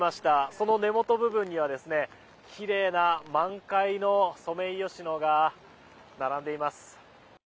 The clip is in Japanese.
その根元部分には奇麗な満開のソメイヨシノが並んでいます。